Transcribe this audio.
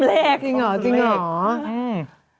ตามเลขจริงเหรอ